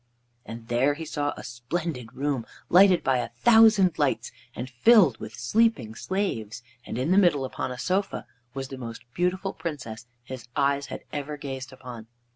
And there he saw a splendid room lighted by a thousand lights and filled with sleeping slaves, and in the middle, upon a sofa, was the most beautiful Princess his eyes had ever gazed upon.